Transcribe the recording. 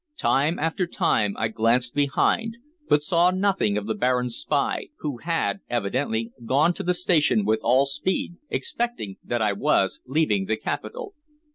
Time after time I glanced behind, but saw nothing of the Baron's spy, who had evidently gone to the station with all speed, expecting that I was leaving the capital.